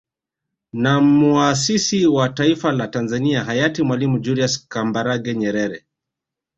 Na muasisi wa taifa la Tanzania Hayati Mwalimu Julius Kambarage Nyerere